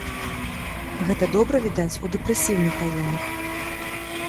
Гэта добра відаць у дэпрэсіўных раёнах.